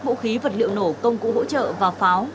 vũ khí vật liệu nổ công cụ hỗ trợ và pháo